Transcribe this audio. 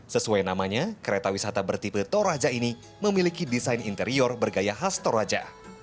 sesuai namanya kereta wisata bertipe toraja ini memiliki desain interior bergaya khas toraja